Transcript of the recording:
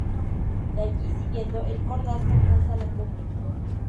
De allí siguiendo el cordal se alcanza la cumbre.